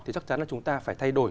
thì chắc chắn là chúng ta phải thay đổi